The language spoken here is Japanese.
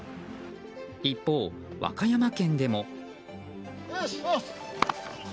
一方、和歌山県でも。